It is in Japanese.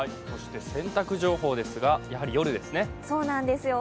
洗濯情報ですが、やはり夜ですね